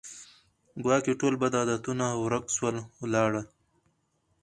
ګواکي ټول بد عادتونه ورک سول ولاړه